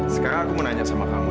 sekarang aku mau nanya sama kamu